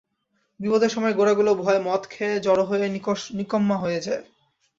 বিপদের সময় গোরাগুলো ভয়ে মদ খেয়ে, জড় হয়ে, নিকম্মা হয়ে যায়।